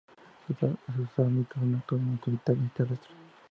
Sus hábitos son nocturnos, solitarios y terrestres.